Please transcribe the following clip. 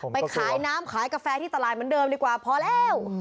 ไปขายน้ำขายกาแฟที่ตลาดเหมือนเดิมดีกว่าพอแล้ว